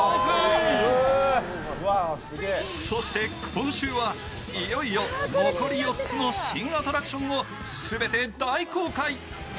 今週は、いよいよ残り４つの新アトラクションを全て大公開。